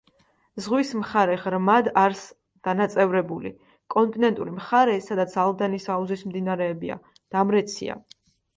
ზღვის მხარე ღრმად არს დანაწევრებული, კონტინენტური მხარე, სადაც ალდანის აუზის მდინარეებია, დამრეცია.